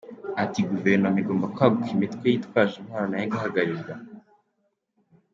Ati “Guverinoma igomba kwaguka imitwe yitwaje intwaro nayo igahararirwa.